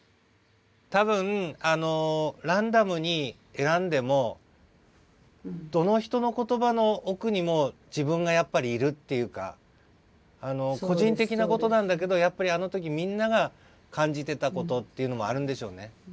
多分ランダムに選んでもどの人の言葉の奥にも自分がやっぱりいるっていうか個人的なことなんだけどやっぱりあの時みんなが感じてたことっていうのもあるんでしょうね。